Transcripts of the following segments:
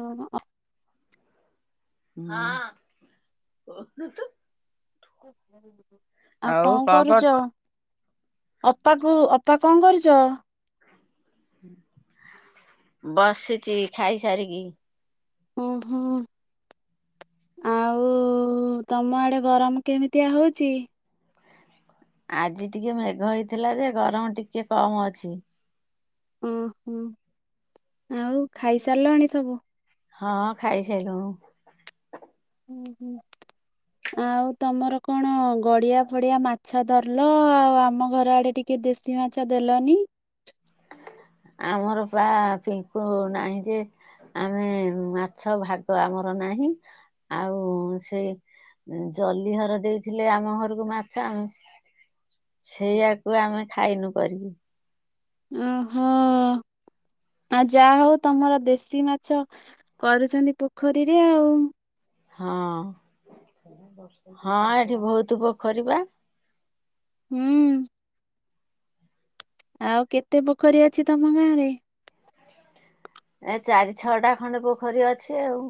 ଓ ହଁ ଅ। ହଁ ହସୁଚୁ। ଆଉ କଣ କରୁଚ। ଅପାକୁ ଅପା କଣ କରୁଚ। ବସିଚି ଖାଇ ସାରିକି। ଅ ହଁ। ଆଉ ତମ ଆଡେ ଗରମ କେମିତିଆ ହଉଛି। ଆଜି ଟିକେ ମେଘ ହେଇଥିଲା ଯେ ଗରମ ଟିକେ କମ ଅଛି। ଓହୋ ଆଉ ଖାଇସାରିଲାଣିଥବୁ। ହଁ ଖାଇସାଇଲୁଣୁ। ହୁଁ ହୁଁ। ଆଉ ତମର କଣ ଗଡିଆ ଫଡିଆ ମାଛ ଧରିଲ ଆଉ ଆମ ଘର ଆଡେ ଟିକେ ଦେଶ ସି ମାଛ ଦେଲନି। ଆମର ପା ପିଙ୍କୁ ନାହିଁ ଯେ ଆମେ ମାଛ ଭାଗ ଆମର ନାହିଁ ଆଉ ସେ ଜଲି ଘର ଦେଇଥିଲେ ଆମ ଘରକୁ ମାଛ ଆମ ସେ ସେଇଆାକୁ ଆମେ ଖାଇନୁ କରିକି। ଓହୋ। ଆ ଯାହା ହଉ ତମର ଦେଶୀ ମାଛ କରୁଛନ୍ତି ପୋଖରୀରେ ଆଉ। ହଁ ହଁ ଏଠି ବହୁତ ପୋଖରୀ ପା। ହୁଁ। ଆଉ କେତେ ପୋଖରୀ ଅଛି ତମ ଗାଁରେ। ଏ ଚାରି ଛଅଟା ଖଣ୍ଡେ ପୋଖରୀ ଅଛି ଆଉ।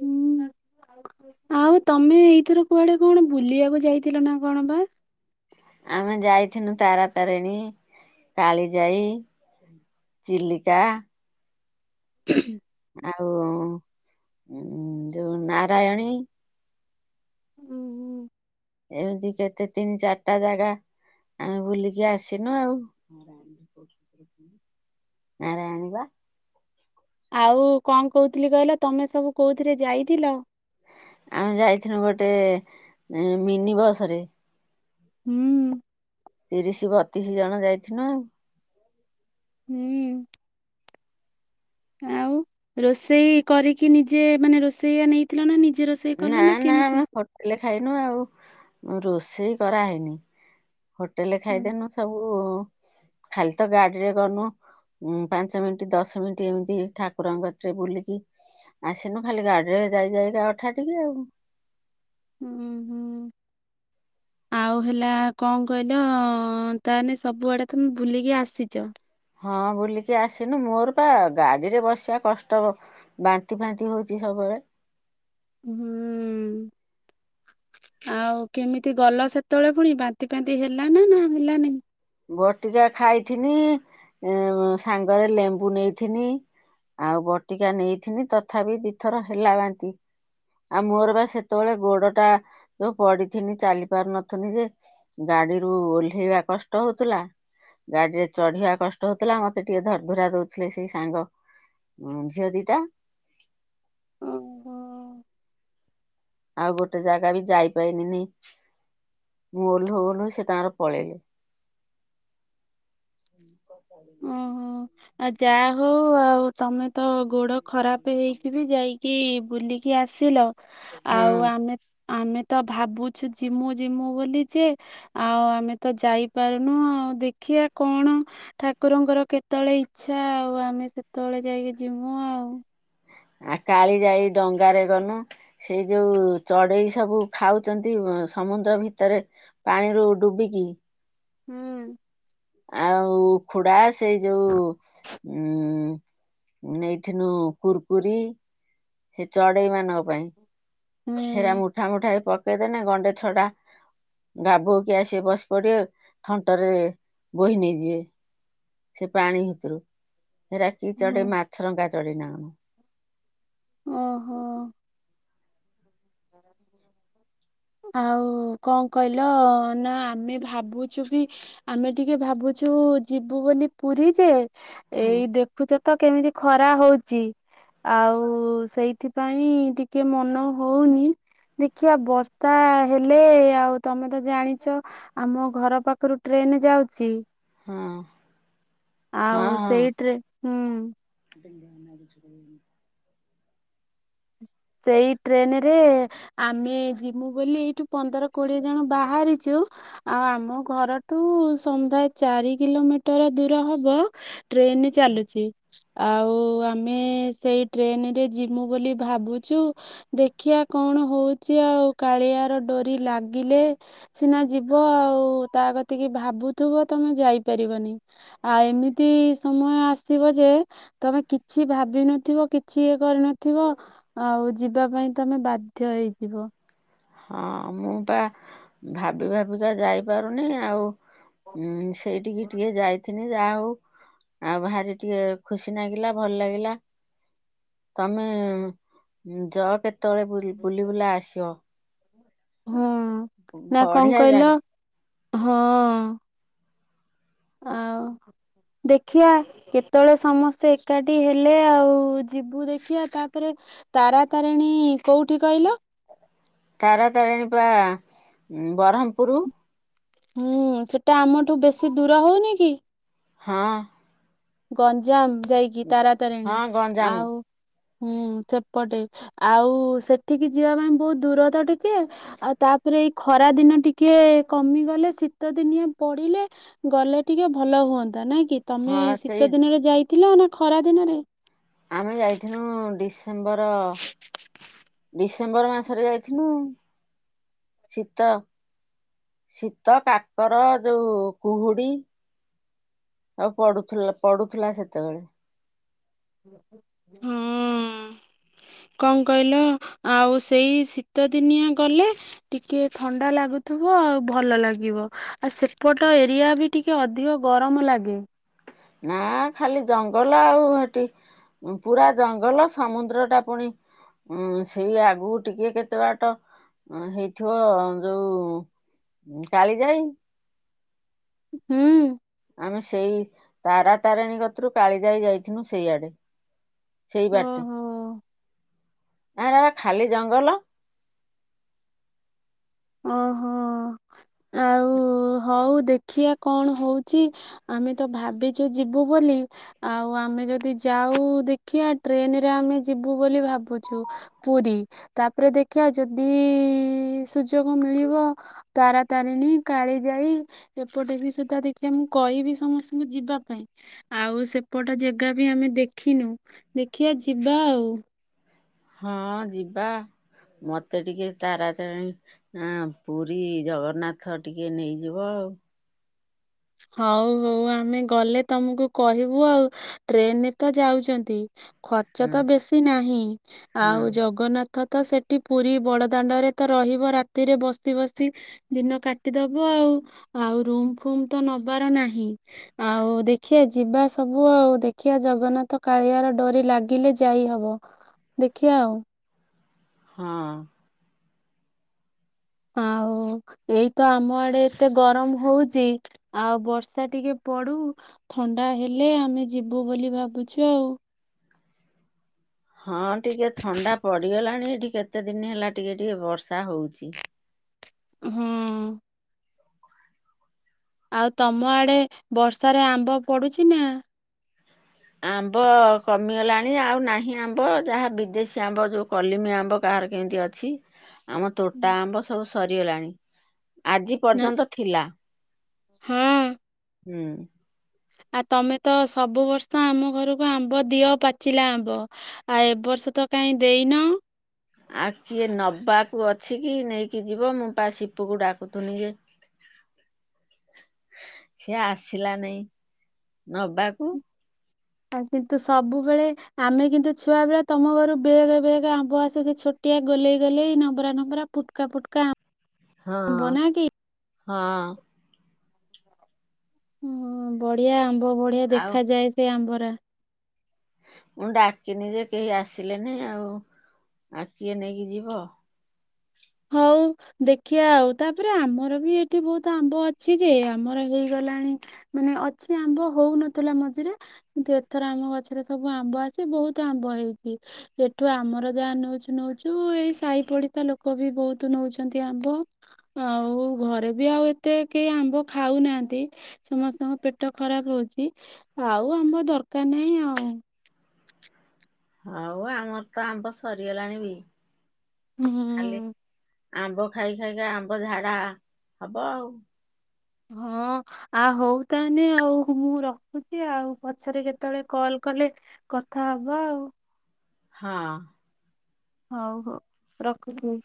ହୁଁ। ଆଉ ତମେ ଏଇଥର କୁଆଡେ କଣ ବୁଲିବାକୁ ଯାଇଥିଲ ନା କଣ ବା। ଆମେ ଯାଇିନୁ ତାରାତାରିଣୀ କାଳି ଯାଇ। ଚିଲିକା। ହ ଆଉ ଯୋଉ ନାରାୟଣୀ। ଉୁଁ ହୁଁ। ଏମିତି କେତେ ତିନି ଚାରିଟା ଜାଗା ଆମେ ବୁଲିକି ଆସିନୁ ଆଉ। ଆରେ ଆଣିବା। ଆଉ କଣ କହୁଥିଲି କହିଲ ତମେ ସବୁ କୋଉଥିରେ ଯାଇଥିଲ। ଆମେ ଯାଇଥିଲୁ ଗୋଟେ ମିନି ବସ୍ ରେ। ହୁଁ। ତିରିଶି ବତିଶି ଜଣ ଯାଇଥିନୁ ଆଉ। ହୁଁ। ଆଉ ରୋଷେଇ କରିକି ନିଜେ ମାନେ ରୋଷେଇଆ ନେଇ ଥିଲ ନା ନିଜେ ରୋଷେଇ କଲ ନା କେମିତି ହେଲେ ଖାଇନୁଆଉ ରୋଷେଇ କରାହେଇନି ହୋଟେଲରେ ହୁଁ ଖାଇଦେନୁ। ସବୁ ଖାଲିତ ଗାଡିରେ ଗନୁ। ଉଁ ପାଞ୍ଚ ମିନିଟ୍, ଦଶ ମିନିଟ୍ ଏମିତି ହେଇ ଠାକୁରଙ୍କ କତିରେ ବୁଲିକି ଆସିନୁ ଖାଲି ଗାଡିରେ ଯାଇ ଯାଇକା ଅଠା ଠିକି ଆଉ। ହୁଁ ହୁଁ ଆ। ଆଉ ହେଲା କଣ କହିଲ ତାମାନେ ସବୁଆଡେ ତମେ ବୁଲିକି ଆସିଛ। ହଁ ବୁଲିକି ଆସିନୁ ମୋରପା ଗାଡ଼ିରେ ବସିବା କଷ୍ଟ ବାନ୍ତି ଫାନ୍ତି ହଉଛି ସବୁବେଳେ। ହୁଁ। ଆଉ କେମିତି ଗଲ ସେତେବେଳେ ପୁଣି ବାନ୍ତି ଫାନ୍ତି ହେଲାନା ନା ହେଲାନି। ବଟିକା ଖାଇଥିନି ଏଁ ସାଙ୍ଗରେ ଲେମ୍ବୁ ନେଇଥିନି। ଆଉ ବଟିକା ନେଇଥିନି ତଥାପି ଦି ଥର ହେଲା ବାନ୍ତି। ଆଉ ମୋରବା ସେତେବେଳେ ଗୋଡଟା ଯୋଉ ପଡିଥିନି ଚାଲି ପାରୁନଥିଲି ଯେ ଗାଡିରୁୁ ଓହ୍ଲେଇବା କ କଷ୍ଟ ହଉଥିଲା ଗାଡିରେ ଚଢିବା କଷ୍ଟ ହଉଥିଲା ମତେ ଟିକେ ଧରି ଧୁରା ଦଉଥିଲେ ସେଇ ସାଙ୍ଗ। ହୁଁ ଝିଅ ଦିଟା। ଓହୋ। ଆଉ ଗୋଟେ ଜାଗା ବି ଯାଇପାଇଲିନି, ମୁଁ ଓହ୍ଲୋଉ ଓହ୍ଲୋଉ ସେ ତାଙ୍କର ପଳେଇଲେ। [unintelligible] ଅ ହ ଆଉ ଯାହା ହଉ ଆଉ ତମେ ତ ଗୋଡ ଖରାପ ହେଇକିବି ଯାଇକି ବୁଲିକି ଆସିଲ, ଆଉ ହଁ ଆମେ ଆମେ ତ ଭାବୁଛୁ ଯିମୁ ଯିମୁ ବୋଲି ଯେ ଆଉ ଆମେ ତ ଯାଇପାରୁନୁ, ଆଉ ଦେଖିବା କଣ ଠା ଠାକୁରଙ୍କର କେତେବେଳେ ଇଚ୍ଛା, ଆଉ ଆମେ ସେତେବେଳେ ଯାଇକି ଯିବୁ ଆଉ। ଆ କାଳିଜାଇ ଡଙ୍ଗାରେ ଗନୁ। ସେଇ ଯୋଉ ଚଢେଇ ସବୁ ଖାଉଛନ୍ତି ସମୁଦ୍ର ଭିତରେ। ପାଣିରୁ ଡୁବିକି। ହୁଁ। ଆଉ ଉଖୁଡା, ସେଇ ଯୋଉ ଉଁ ନେଇଥିଲୁ କୁୁରକୁରି, ସେ ଚଢେଇ ମାନଙ୍କ ପାଇଁ। ହେରା ହୁଁ। ମୁଠା ମୁଠା ପକେଇଦେନେ ଗଣ୍ଡେ ଛଡା ଗାଭଉକି ଆସି ବସି ପଡିବେ ଥଣ୍ଟରେ ବୋହି ନେଇଯିବେ। ସେ ପାଣି ଭିତରୁ, ସେରା କି ହୁଁ ଚଢେଇ ମାଛରଙ୍କା ଚଢ଼େଇ ନା କଣ। ଓହୋ। [unintelligible] ଆଉ କଣ କହିଲ ନା ଆମେ ଭାବୁଛୁ ବି ଆମେ ଟିକେ ଭାବୁଛୁ ଯିବୁ ବୋଲି ପୁରୀ ଯେ, ହଁ ଏଇ ଦେ ଦେଖୁଚତ କେମିତି ଖରା ହଉଛି। ଆଉ ସେଇଥିପାଇଁ ଟିକେ ମନ ହଉନି। ଦେଖିବା ବର୍ଷା ହେଲେ ଆଉ ତମେ ତ ଜାଣିଚ। ଆମ ଘର ପାଖରୁ ଟ୍ରେନ ଯାଉଛି। ହଁ। ହଁ ଆଉ ହଁ। ସେଇ ଟ୍ରେ, ହୁଁ। [unintelligible] ସେଇ ଟ୍ରେନରେ ଆମେ ଯିବୁ ବୋଲି ଏଠି ପନ୍ଦର କୋଡିଏ ଜଣ ବାହାରିଛୁ। ଆଉ ଆମ ଘରଠୁ ସମୁଦାୟ ଚାରି କିଲୋମିଟର ଦୂର ହବ। ଟ୍ରେନ ଚାଲୁଛି। ଆଉ ଆମେ ସେଇ ଟ୍ରେନରେ ଯିମୁ ବୋଲି ଭାବୁ ଚୁ ଦେଖଆ କଣ ହଉଚି ଆଉ କାଳିଆର ଡୁରି ଲାଗିଲେ। ସିନା ଯିବ ଆଉ ତା କତିକିି ଭାବୁଥିବ ତମେ ଯାଇପାରିବନି। ଆଉ ଏମିତି ସମୟ ଆସିବ ଯେ। ତମେ କିଛି ଭାବିିନଥିବ କିଛି ଇଏ କରିନଥିବ। ଆଉ ଯିବା ପାଇଁ ତମେ ବାଧ୍ୟ ହେଇଯିବ। ହଁ ମୁଁ ବା ଭାବି ଭାବିକା ଯାଇପାରୁନି ଆଉ। ହଁ ସେଇଠିକି ଟିକେ ଯାଏ ଯା ହଉ ଆଉ ଭାରି ଟିକେ ଖୁସି ନାଗିଲା ଭଲ ଲାଗିଲା। ତମେ ଯଅ କେତେବେଳେ ବୁଲି ବୁଲା ଆସିବ। ହଁ ନା କଣ ବଢିଆ କହିଲ ଜାଗା ହଁ। ଆଉ ଦେଖିଆ। କେତେବେଳେ ସମସ୍ତେ ଏକାଠି ହେଲେ ଆଉ ଯିବୁ ଦେଖିଆ ତାପରେ। ତାରା ତାରେଣୀ କୋଉଠି କହିଲ? ତାର ତାରିଣୀି ପା ବ୍ରହ୍ମପୁରୁ। ହୁଁ ସେଟା ଆମଠୁ ବେଶି ଦୂର ହଉନି କି? ହଁ। ଗଞ୍ଜାମ ଯାଇକି ତାରାତାରେଣୀ ହଁ ଗଞ୍ଜାମ ଆଉ ହୁଁ ସେପଟେ ଆଉ ସେଠିକି ଯିବା ପାଇଁ ବହୁତ ଦୂର ତ ଟିକେ। ଆଉ ତାପରେ ଏଇ ଖରା ଦିନ ଟିକେ କମିଗଲେ ଶୀତ ଦିନିଆ ପଡିଲେ ଗଲେ ଟିକେ ଭଲ ହୁଅନ୍ତା ନାଇଁ କି ତମେ ହଁ ସେଇ ଶୀତ ଦିନରେ ଯାଇଥିଲ ନା ଖରା ଦିନରେ? ଆମେ ଯାଇଥିନୁ ଡିସେମ୍ବର ଡିଶେ ଡିସେମ୍ବର ମାସରେ ଯାଇଥିନୁ ଶୀତ ଶୀତ କାକର ଯୋଉ କୁହୁଡି ଆଉ ପଡୁଥିଲା ପଡୁଥିଲା ସେତେବେଳେ। ହୁଁ ଉଁ। କଣ କହିଲ ଆଉ ସେଇ ଶୀତ ଦିନିଆ ଗଲେ ଟିକେ ଥଣ୍ଡା ଲାଗୁଥିବ ଆଉ ଭଲ ଲାଗିବ ଆ ସେପଟ ଏରିଆ ବି ଟି ଟିକେ ଅଧିକ ଗରମ ଲାଗେ। ନାଁ ଖାଲି ଜଙ୍ଗଲ ଆଉ ହେଠି। ପୁରା ଜଙ୍ଗଲ ସମୁଦ୍ର ଟା ପୁଣି ଉଁ ସେଇ ଆଗକୁ ଟିକେ କେତେ ବାଟ ହେଇଥିବ ଯୋଉ ଉଁ କାଳି ଯାଇ। ହୁଁ। ଆମେ ସେଇ ତାରା ତାରେଣୀ କତିରୁ କାଳିଯାଇ ଯାଇଥିଲୁ ସେଇଆଡେ। ସେଇ ବାଟେ ଓହୋ। ଏରା ବା ଖାଲି ଜଙ୍ଗଲ। ଓହୋ ଆଉ ହଉ ଦେଖିଆ କଣ ହଉଛି। ଆମେ ତ ଭାବିଛୁ ଯିବୁ ବୋଲି। ଆଉ ଆମେ ଯଦି ଯାଉ ଦେଖିଆ ଟ୍ରେନରେ ଆମେ ଯିବୁ ବୋଲି ଭାବୁଛୁ। ପୁରୀ ତାପରେ ଦେଖିବା ଯଦି ସୁଯୋଗ ମିଳିବ ତାରାତାରିଣୀ କାଳି ଯାଇ ଏପଟେ ବି ସେଟା ଦେଖିବା ମୁଁ କହିବି ସମସ୍ତଙ୍କୁ ଯିବା ପାଇଁ। ଆଉ ସେପଟ ଜେଗାବି ଆମେ ଦେଖିନୁ ଦେଖିଆ ଯିବା ଆଉ। ହଁ ଯିବା ମତେ ଟିକେ ତାରା ତାରେଣୀ ଆଁ ପୁରୀ ଜଗନ୍ନାଥ ଟିକେ ନେଇଯିବ ଆଉ। ହଉ ହଉ ଆମେ ଗଲେ ତମକୁ କହିବୁ ଆଉ। ଟ୍ରେନରେ ତ ଯାଉଛନ୍ତି ଖର୍ଚ୍ଚ ତ ବେଶୀ ନାହିଁ ହଁ ଆଉ ଜଗନ୍ନାଥ ନାଥ ସେଠି ପୁରୀ ବଡ଼ଦାଣ୍ଡରେ ତ ରହିବ ରାତିରେ ବସି ବସି ଦିନ କାଟିଦବ ଆଉ ଆଉ ରୁମ ଫୁମ ତ ନବାର ନାହିଁ। ଆଉ ଦେଖଆ ଯିବା ସବୁ ଆଉ ଦେଖିଆ ଜଗନ୍ନାଥ କାଳିଆର ଡୋରି ଲାଗିଲେ ଯାଇ ହବ। ଦେଖିବା ଆଉ। ହଁ। ଆଉ ଏଇତ ଆମ ଆଡେ ଏତେ ଗରମ ହଉଛି। ଆଉ ବର୍ଷା ଟିକେ ପଡୁ ଥଣ୍ଡା ହେଲେ ଆମେ ଯିବୁ ବୋଲି ଭାବୁଛୁ ଆଉ। ହଁ ଟିକେ ଥଣ୍ଡା ପଡିଗଲାଣି ଏଠି କେତେ ଦିନ ହେଲା ଟିକେ ଟିକେ ବର୍ଷା ହଉଛି। ହଁ। ଆଉ ତମ ଆଡେ ବର୍ଷାରେ ଆମ୍ବ ପଡୁଛି ନା? ଆମ୍ବ କମିଗଲାଣି ଆଉ ନାହିଁ ଆମ୍ବ ଯାହା ବିଦେଶୀ ଆମ୍ବ ଯଉ କଲିମି ଆମ୍ବ କାହାର କେମିତି ଅଛି। ଆମ ତୋଟା ଆମ୍ବ ସବୁ ସରିଗଲାଣି ଆଜି ନା ପର୍ଯ୍ୟନ୍ତ ଥିଲା। ହଁ। ହୁଁ। ଆ ତମେ ତ ସବୁ ବର୍ଷ ଆମ ଘରକୁ, ଆମ୍ବ, ଦିଅ ପାଚିଲା ଆମ୍ବ। ଆ ଏବର୍ଷ ତ କାଇଁ ଦେଇନ? ଆ କିଏ ନବାକୁ ଅଛି କି ନେଇକି ଯିବ, ମୁଁ ପା ସିପୁକୁ ଡାକୁଥନି ଯେ ସିଏ ଆସିଲା ନେଇଁ ନବାକୁ। ଆଉ କିନ୍ତୁ ସବୁବେଳେ ଆମେ କିନ୍ତୁ ଛୁଆବେଳେ ତମ ଘରୁ ବେଗେ-ବେଗେ ଆମ୍ବ ଆସୁଛି ଛୋ ଟିଆ ଗୋଲେଇ ଗୋଲେଇ ନମ୍ୱରା ନମ୍ୱରା ଫୁଟକା-ଫୁଟକା ଆ ହଁ-ହଁ। ହ ବଢିଆ ଆମ୍ବ ବଢିଆ ଆଉ ଦେଖାାଯାଏ, ସେ ଆମ୍ବରା। ମୁଁ ଡାକିନି ଯେ କେହି ଆସିଲେନି, ଆଉ ଆ କିଏ ନେଇକି ଯିବ। ହଉ। ଦେଖିଆ ଆଉ ତାପରେ ଆମର ବି ଏଠି ବହୁତ୍ ଆମ୍ବ ଅଛି ଯେ, ଆମର ହେଇଗଲାଣି। ମାନେ ଅଛି ଆମ୍ବ ହଉନଥିଲା ମଝିରେ। କିନ୍ତୁ ଏଥର ଆମ ଗଛରେ ସବୁ ଆମ୍ବ ଆସି ବହୁତ୍ ଆମ୍ବ ହେଇଚି। ସେଠୁ ଆମର ଯାହା ନଉଚୁ ନଉଛୁ ଏଇ ସାହି ପଡିସା ଲୋକ କ ବି ବହୁତୁ ନଉଛନ୍ତି ଆମ୍ବ। ଆଉ ଘରେ ବି ଆଉ ଏତେ କେହି ଆମ୍ବ ଖାଉନାହାନ୍ତି। ସମସ୍ତଙ୍କ ପେଟ ଖରାପ୍ ରହୁଛି ଆଉ ଆମ୍ୱ ଦରକାର୍ ନାହିଁ ଆଉ। ହଉ ଆମର ତ ଆମ୍ବ ସରିଗଲାଣି ବି, ହୁଁ। ଖାଲି ଆମ୍ବ ଖାଇ ଖାଇକା ଆମ୍ବ ଝାଡା ହବ ଆଉ। ହଁ। ଆ ହଉ ତାହେନେ ଆଉ ମୁଁ ରଖୁଚି ଆଉ, ପଛେରେ କେତବଳେ କଲ୍ କଲେ କଥା ହବା ଆଉ। ହଁ। ହଉ-ହଉ ରଖୁଚି।